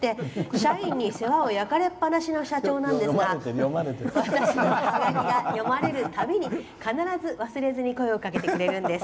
社員に世話を焼かれっぱなしの社長なんですが私のはがきが読まれるたびに必ず忘れずに声をかけてくれるんです。